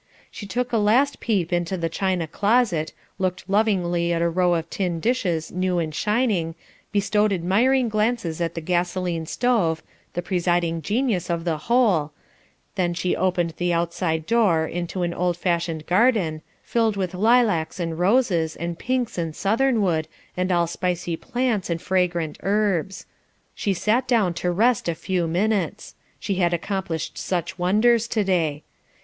She took a last peep into the china closet, looked lovingly at a row of tin dishes new and shining, bestowed admiring glances at the gasoline stove, the presiding genius of the whole, then she opened the outside door into an old fashioned garden, filled with lilacs and roses, and pinks and southernwood, and all spicy plants and fragrant herbs. She sat down to rest a few minutes, she had accomplished such wonders to day.